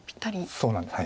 そうなんです。